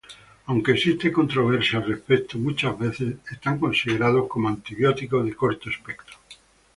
Aunque existe controversia al respecto, muchas veces son consideradas como antibióticos de corto espectro.